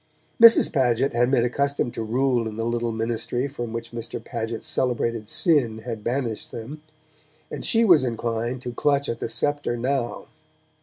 Mrs. Paget had been accustomed to rule in the little ministry from which Mr. Paget's celebrated Sin had banished them, and she was inclined to clutch at the sceptre now.